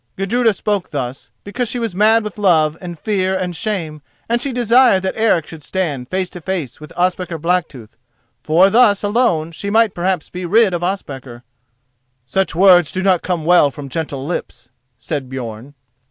Gudruda spoke thus, because she was mad with love and fear and shame, and she desired that Eric should stand face to face with Ospakar Blacktooth, for thus, alone, she might perhaps be rid of Ospakar. "Such words do not come well from gentle lips," said Björn.